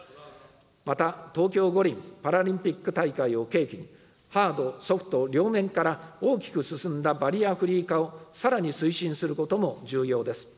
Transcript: また、東京五輪・パラリンピック大会を契機に、ハード・ソフト両面から大きく進んだバリアフリー化をさらに推進することも重要です。